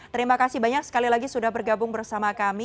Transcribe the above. terima kasih banyak sekali lagi sudah bergabung bersama kami